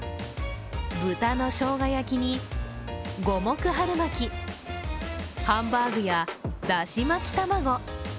豚の生姜焼きに五目春巻、ハンバーグやだし巻き玉子。